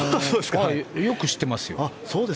よく知ってますよ。